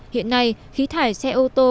hiện nay khí thải xe ô tô